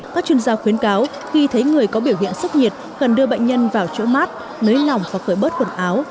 các chuyên gia khuyến cáo khi thấy người có biểu hiện sốc nhiệt cần đưa bệnh nhân vào chỗ mát nới lỏng và khởi bớt quần áo